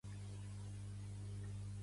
Pertany al moviment independentista la Laura?